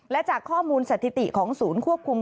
และจากข้อมูลสถิติของศูนย์ควบคุม